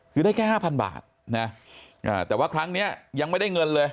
คือได้แค่ห้าพันบาทนะแต่ว่าครั้งนี้ยังไม่ได้เงินเลย